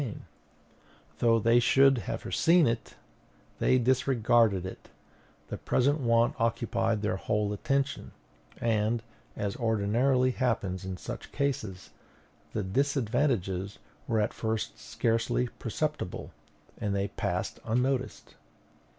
And though they should have foreseen it, they disregarded it; the present want occupied their whole attention, and, as ordinarily happens in such cases, the disadvantages were at first scarcely perceptible, and they passed unnoticed.